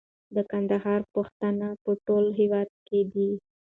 د کندهار پښتانه په ټول هيواد کي دي